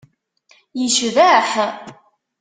Yecbeḥ.